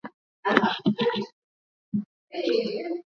Februari ishirini na nane mwaka elfu mbili na ishirini na nane